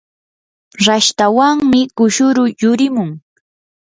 rashtawanmi kushuru yurimun.